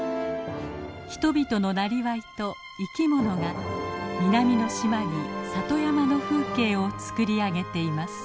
人々のなりわいと生きものが南の島に里山の風景をつくりあげています。